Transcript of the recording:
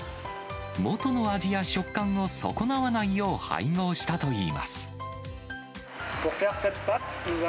元の味や食感を損なわないよう配合したといいます。